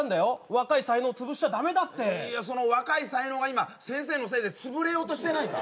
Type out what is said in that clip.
若い才能潰しちゃダメだっていやその若い才能が今先生のせいで潰れようとしてないか？